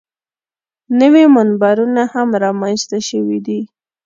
نوي منبرونه هم رامنځته شوي دي.